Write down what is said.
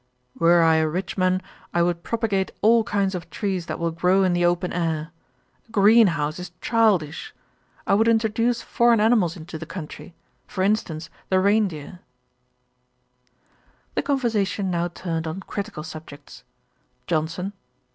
'Were I a rich man, I would propagate all kinds of trees that will grow in the open air. A greenhouse is childish. I would introduce foreign animals into the country; for instance the reindeer.' The conversation now turned on critical subjects. JOHNSON.